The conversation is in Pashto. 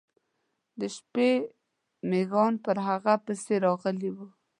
د شپې میږیان پر هغه پسې راغلي و.